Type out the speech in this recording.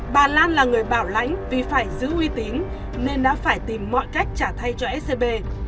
bà lan là người bảo lãnh vì phải giữ uy tín nên đã phải tìm mọi cách trả thay cho scb